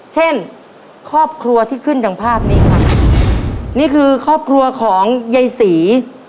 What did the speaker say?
เช่นครอบครัวที่ขึ้นดังภาพนี้ครับนี่คือครอบครัวของยายศรี